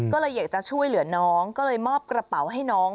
ก็เลยอยากจะช่วยเหลือน้องก็เลยมอบกระเป๋าให้น้อง